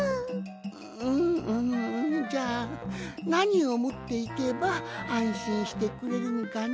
んんじゃあなにをもっていけばあんしんしてくれるんかの？